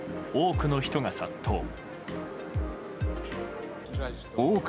多くの人が殺到。